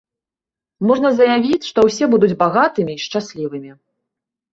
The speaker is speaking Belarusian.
Можна заявіць, што ўсе будуць багатымі і шчаслівымі.